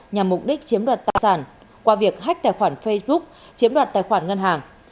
nhằm mục đích chiếm đoạt tài sản qua việc hách tài khoản facebook chiếm đoạt tài khoản ngân hàng